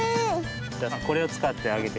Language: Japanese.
じゃあこれをつかってあげてください。